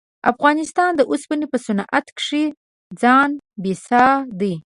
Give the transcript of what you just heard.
افغانستان د اوسپنې په صنعت کښې ځان بسیا دی.